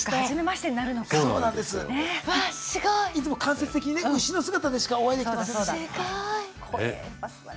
いつも間接的にね牛の姿でしかお会いできてませんから。